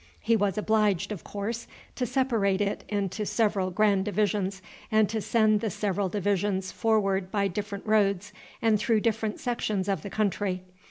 He was obliged, of course, to separate it into several grand divisions, and to send the several divisions forward by different roads, and through different sections of the country.